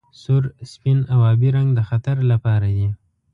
سور سپین او ابي رنګ د خطر لپاره دي.